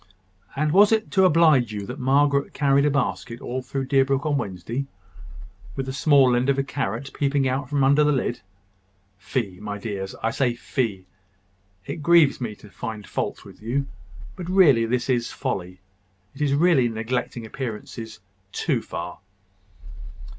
And was it to oblige you that Margaret carried a basket all through Deerbrook on Wednesday, with the small end of a carrot peeping out from under the lid? Fie, my dears! I must say fie! It grieves me to find fault with you: but really this is folly. It is really neglecting appearances too far."